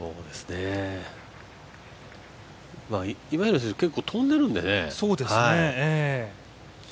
今平選手、結構飛んでるんでね。